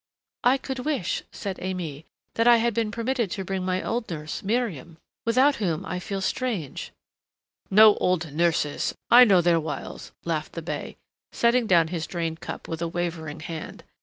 "I could wish," said Aimée, "that I had been permitted to bring my old nurse, Miriam, without whom I feel strange " "No old nurses I know their wiles," laughed the bey, setting down his drained cup with a wavering hand.